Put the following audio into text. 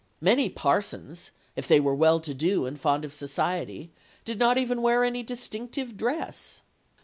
Many parsons, if they were well to do and fond of society, did not even wear any distinctive dress.